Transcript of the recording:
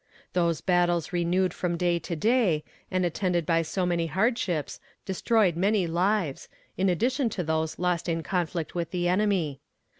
Those battles renewed from day to day, and attended by so many hardships, destroyed many lives, in addition to those lost in conflict with the enemy.